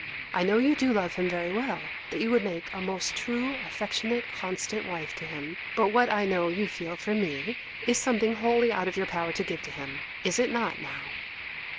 I know you do love him very well, that you would make a most true, affectionate, constant wife to him, but what I know you feel for me is something wholly out of your power to give to him, is it not now?